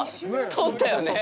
撮ったよね？